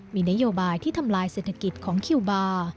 มีนโยบายที่ทำลายเศรษฐกิจของคิวบาร์